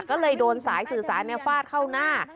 ก็เลยโดนสายสื่อสารฟาดเข้าหน้า